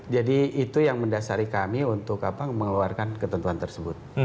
jadi itu yang mendasari kami untuk mengeluarkan ketentuan tersebut